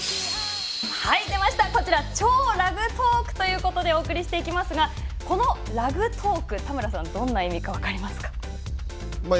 その名も「超ラグトーク」ということでお送りしていきますがこの「ラグトーク」田村さん、どんな意味か分かりますか？